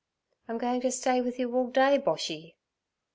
'I'm going to stay with you all day, Boshy.'